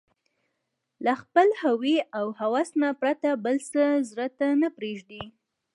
له خپل هوى او هوس نه پرته بل څه زړه ته نه پرېږدي